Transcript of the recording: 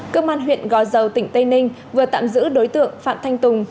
cơ quan huyện gò dầu tỉnh tây ninh vừa tạm giữ đối tượng phạm thanh tùng